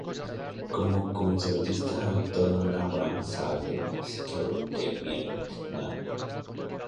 Como concertista ha actuado en la Brahms Saal del Musikverein de Viena, la St.